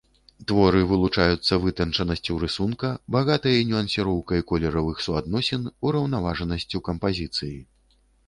Творы вылучаюцца вытанчанасцю рысунка, багатай нюансіроўкай колеравых суадносін, ураўнаважанасцю кампазіцыі.